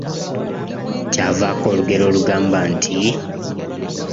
Kyavaako olugero olugamba nti?